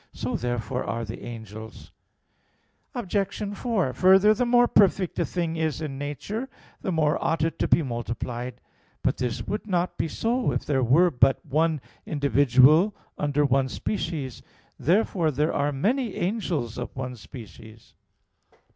So therefore are the angels. Obj. 4: Further, the more perfect a thing is in nature, the more ought it to be multiplied. But this would not be so if there were but one individual under one species. Therefore there are many angels of one species.